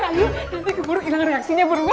nanti keburu hilang reaksinya